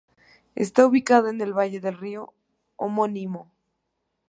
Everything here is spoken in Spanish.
Está ubicado en el valle del río homónimo.